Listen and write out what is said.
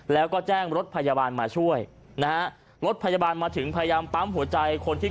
แล้วก็แจ้งรถพยาบาลมาช่วยนะฮะรถพยาบาลมาถึงพยายามปั๊มหัวใจคนที่